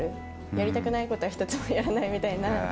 やりたくないことは一つもやらないみたいな。